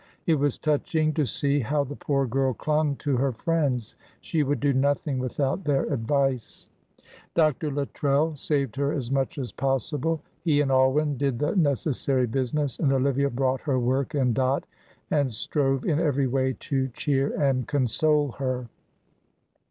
It was touching to see how the poor girl clung to her friends; she would do nothing without their advice. Dr. Luttrell saved her as much as possible. He and Alwyn did the necessary business, and Olivia brought her work and Dot, and strove in every way to cheer and console her.